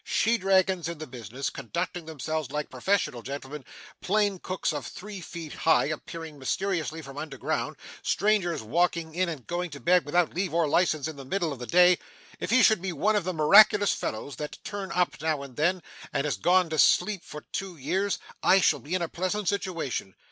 'She dragons in the business, conducting themselves like professional gentlemen; plain cooks of three feet high appearing mysteriously from under ground; strangers walking in and going to bed without leave or licence in the middle of the day! If he should be one of the miraculous fellows that turn up now and then, and has gone to sleep for two years, I shall be in a pleasant situation.